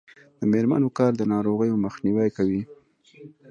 د میرمنو کار د ناروغیو مخنیوی کوي.